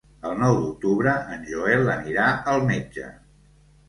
El nou d'octubre en Joel anirà al metge.